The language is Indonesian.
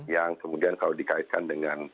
yang kemudian kalau dikaitkan dengan